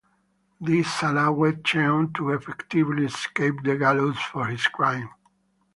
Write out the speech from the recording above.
This allowed Cheong to effectively escape the gallows for his crime.